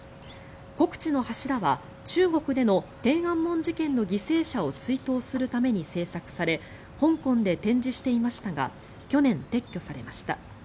国恥の柱は中国での天安門事件の犠牲者を追悼するために制作され香港で展示していましたが去年、撤去されました。